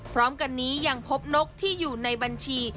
พร้อมกันนี้ยังพบนกที่อยู่ในบัญชี